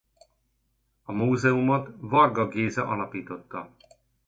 A múzeumot Varga Géza alapította.